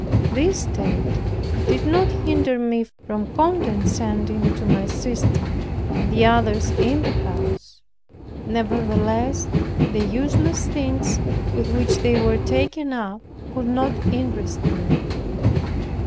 This state did not hinder me from condescending to my sister, and the others in the house. Nevertheless, the useless things with which they were taken up could not interest me.